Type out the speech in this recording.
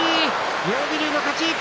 妙義龍の勝ち。